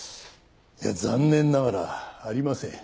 いや残念ながらありません。